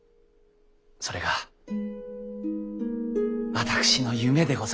それが私の夢でございます。